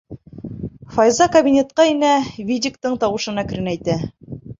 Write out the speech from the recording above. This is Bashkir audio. Файза кабинетҡа инә, видиктың тауышын әкренәйтә.